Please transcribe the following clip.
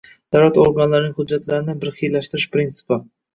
Davlat organlarining hujjatlarini birxillashtirish prinsipi